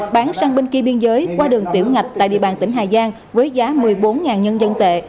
bán sang bên kia biên giới qua đường tiểu ngạch tại địa bàn tỉnh hà giang với giá một mươi bốn nhân dân tệ